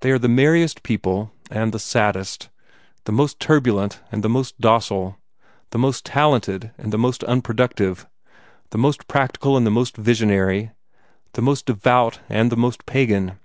They are the merriest people and the saddest, the most turbulent and the most docile, the most talented and the most unproductive, the most practical and the most visionary, the most devout and the most pagan.